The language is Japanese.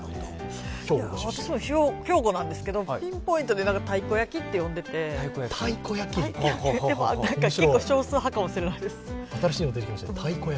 私は、兵庫なんですけどピンポイントで太鼓焼きって呼んでてでも結構、少数派かもしれない。